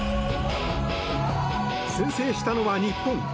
先制したのは日本。